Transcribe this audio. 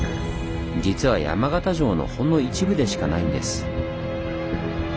実は山形城のほんの一部でしかないんです。